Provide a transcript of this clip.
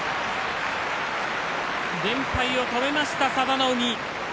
連敗を止めました、佐田の海。